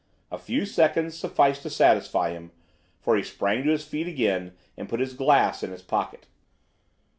A few seconds sufficed to satisfy him, for he sprang to his feet again and put his glass in his pocket.